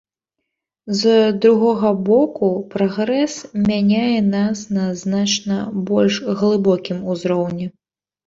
З другога боку, прагрэс мяняе нас на значна больш глыбокім узроўні.